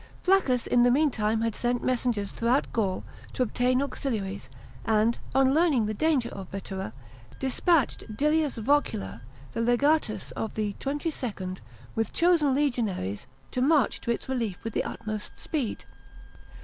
Flaccus in the meantime had sent messengers throughout Gaul, to obtain auxiliaries, and, on learning the danger of Vetera, despatched Dillius Vocula, the legatus of the XXIInd, with chosen legionaries to march to its relief with the utmost speed.